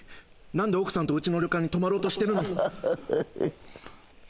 何で奥さんとうちの旅館に泊まろうとしてるの？